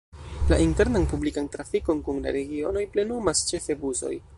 La internan publikan trafikon kun la regionoj plenumas ĉefe busoj.